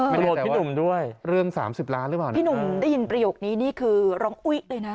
โกรธพี่หนุ่มด้วยเรื่องสามสิบล้านหรือเปล่านะพี่หนุ่มได้ยินประโยคนี้นี่คือร้องอุ้ยเลยนะ